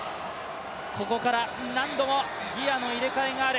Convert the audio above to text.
ここから何度もギアの入れ替えがある。